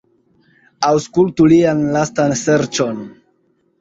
Aŭskultu lian lastan ŝercon!